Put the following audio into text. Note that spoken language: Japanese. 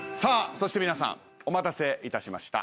そして皆さんお待たせいたしました。